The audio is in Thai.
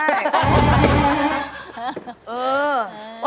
เออ